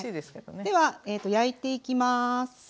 では焼いていきます。